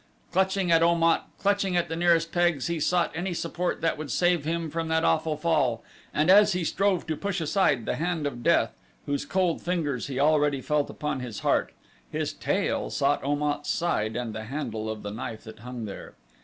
Clutching at Om at, clutching at the nearest pegs he sought any support that would save him from that awful fall, and as he strove to push aside the hand of death, whose cold fingers he already felt upon his heart, his tail sought Om at's side and the handle of the knife that hung there.